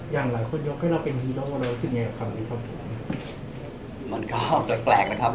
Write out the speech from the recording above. อย่างหลายคนยกให้เราเป็นฮีโร่แล้วรู้สึกยังไงกับคำนี้ครับผม